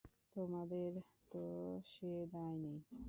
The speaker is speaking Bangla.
তোমাদের তো সে দায় নেই!